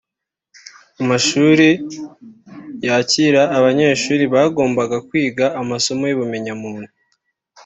Amashuri yakira abanyeshuri bagombaga kwiga amasomo y’ubumenyamuntu